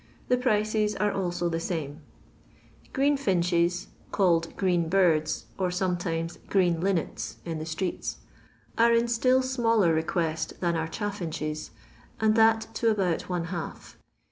The prices are also the same. OreenJiMh€$ (called grten lii'ds, or sometimes ffreen linneU, in the streets) are in still smaller request than are chaffinches, and that to about one half.